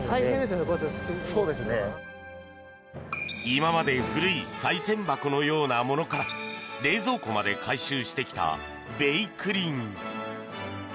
今まで古いさい銭箱のようなものから冷蔵庫まで回収してきた「べいくりん」。